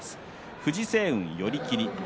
藤青雲、寄り切り。